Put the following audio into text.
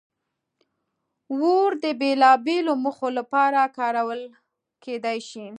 اور د بېلابېلو موخو لپاره کارول کېدی شي.